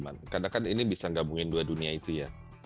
karena kan ini bisa menggabungkan dua dunia itu ya